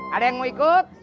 ada yang mau ikut